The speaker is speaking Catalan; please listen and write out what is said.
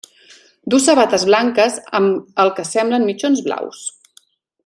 Duu sabates blanques amb el que semblen mitjons blaus.